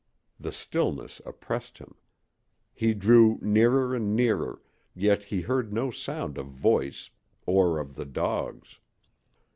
The stillness oppressed him. He drew nearer and nearer, yet he heard no sound of voice or of the dogs.